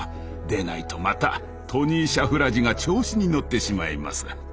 でないとまたトニー・シャフラジが調子に乗ってしまいます。